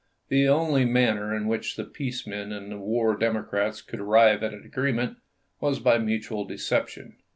The only manner in which the peace men and the war Democrats could arrive at an agreement was by mutual deception.